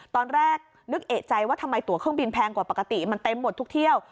ตอนแรกนึกเอกใจว่าทำไมตัวเครื่องบินแพงกว่าปกติมันเต็มหมดทุกเที่ยว